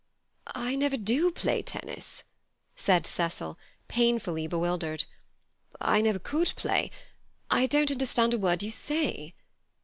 "I never do play tennis," said Cecil, painfully bewildered; "I never could play. I don't understand a word you say."